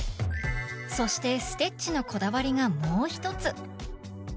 そしてステッチのこだわりがもう一つ！